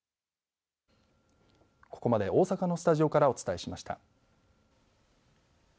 ここまで大阪のスタジオからお伝えしました。